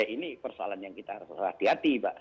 ini persoalan yang kita harus hati hati pak